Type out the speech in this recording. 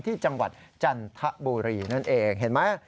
จังหวัดจันทบุรีนั่นเองเห็นไหม